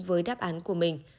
với đáp án của mình